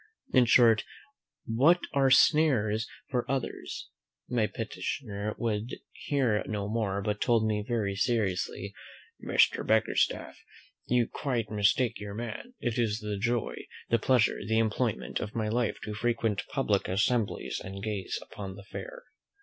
In short, what are snares for others " My petitioner would hear no more, but told me very seriously, "Mr. Bickerstaff, you quite mistake your man; it is the joy, the pleasure, the employment, of my life to frequent public assemblies, and gaze upon the fair."